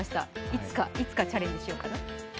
いつか、いつかチャレンジしようかな。